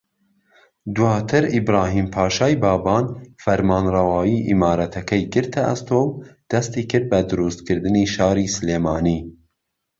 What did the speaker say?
دواتر ئیبراھیم پاشای بابان فەرمانڕەوایی ئیمارەتەکەی گرتە ئەستۆ و دەستیکرد بە دروستکردنی شاری سلێمانی